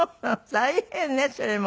大変ねそれもまた。